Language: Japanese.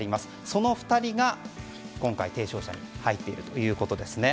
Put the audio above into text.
その２人が今回、提唱者に入っているということですね。